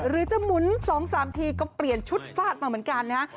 หรือจะหมุน๒๓ทีก็เปลี่ยนชุดฟาดมาเหมือนกันนะฮะ